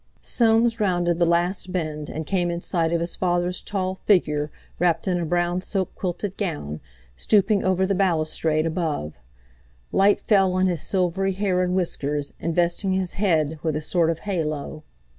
Soames rounded the last bend and came in sight of his father's tall figure wrapped in a brown silk quilted gown, stooping over the balustrade above. Light fell on his silvery hair and whiskers, investing his head with a sort of halo.